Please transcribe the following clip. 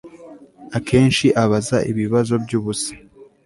Akenshi abaza ibibazo byubusa